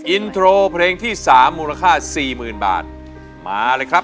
อินโทรเพลงที่สามมูลค่าสี่หมื่นบาทมาเลยครับ